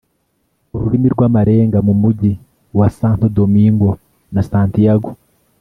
Ururimi rw amarenga mu mugi wa santo domingo na santiago